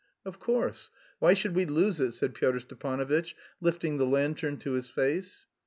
"Of course. Why should we lose it?" said Pyotr Stepanovitch, lifting the lantern to his face.